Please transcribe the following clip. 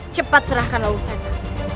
cepat serahkan lalu saya